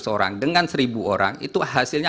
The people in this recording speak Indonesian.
seratus orang dengan seribu orang itu hasilnya